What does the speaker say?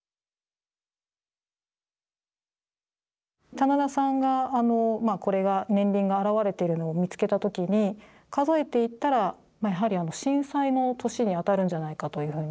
棚田さんがこれが年輪が現れてるのを見つけた時に数えていったらやはり震災の年にあたるんじゃないかというふうに。